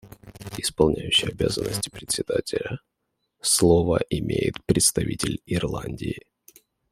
Исполняющий обязанности Председателя: Слово имеет представитель Ирландии.